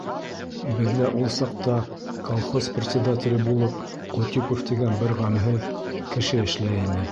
Беҙҙә ул саҡта колхоз председателе булып Ҡотипов тигән бер ғәмһеҙ кеше эшләй ине.